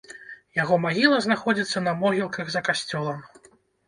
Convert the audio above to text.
Яго магіла знаходзіцца на могілках за касцёлам.